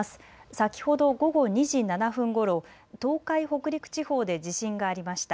先ほど午後２時７分ごろ、東海、北陸地方で地震がありました。